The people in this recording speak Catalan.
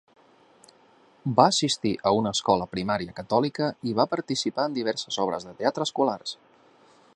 Va assistir a una escola primària catòlica i va participar en diverses obres de teatre escolars.